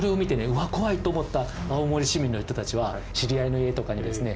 うわっ怖いと思った青森市民の人たちは知り合いの家とかにですね